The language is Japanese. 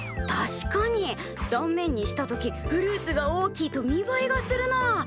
確かに断面にした時フルーツが大きいと見栄えがするなあ。